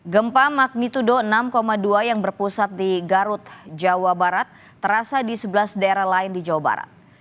gempa magnitudo enam dua yang berpusat di garut jawa barat terasa di sebelas daerah lain di jawa barat